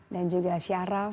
dan juga syaraf